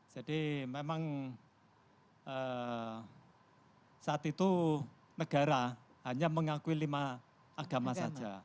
jadi memang saat itu negara hanya mengakui lima agama saja